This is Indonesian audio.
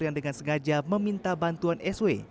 yang dengan sengaja meminta bantuan sw